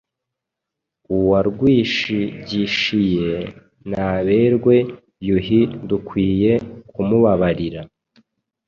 Uwarwishigishiye naberwe Yuhi dukwiye kumubabarira .